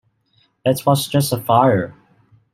It was just a fire.